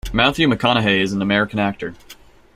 Matthew McConaughey is an American actor.